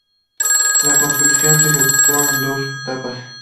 La construcción se ejecutó en dos etapas.